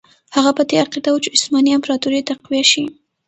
هغه په دې عقیده وو چې عثماني امپراطوري تقویه شي.